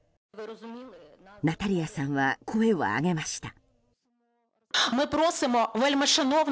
ナタリアさんは声を上げました。